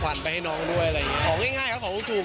เราไปร่วมความสุข